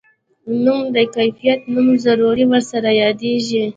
نو د کيپات نوم ضرور ورسره يادېږي.